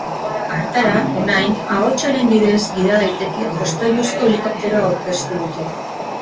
Hartara, orain, ahotsaren bidez gida daitekeen jostailuzko helikopteroa aurkeztu dute.